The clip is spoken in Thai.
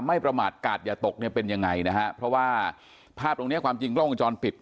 ประมาทกาดอย่าตกเนี่ยเป็นยังไงนะฮะเพราะว่าภาพตรงเนี้ยความจริงกล้องวงจรปิด